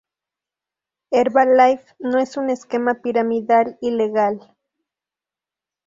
Herbalife no es un esquema piramidal ilegal".